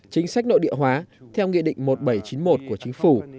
chính sách nội địa hóa theo nghị định một nghìn bảy trăm chín mươi một của chính phủ